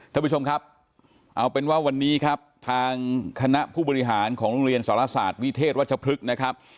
ท่านผู้ชมครับเอาเป็นว่าวันนี้ครับทางคณะผู้บริหารของโรงเรียนสรศาสตร์วิเทศวัชพฤกษ์นะครับ